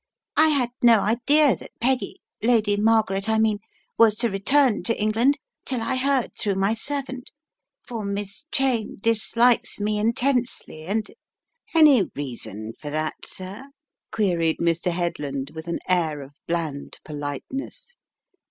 I had no idea that Peggy, Lady Margaret I mean, was to return to England till I heard through my servant. For Miss Cheyne dislikes me intensely and " "Any reason for that, sir?" queried Mr. Headland with an air of bland politeness.